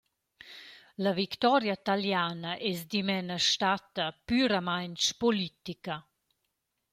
La victoria taliana es dimena statta püramaing politica.